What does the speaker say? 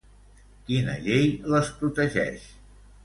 Quina llei les protegeix?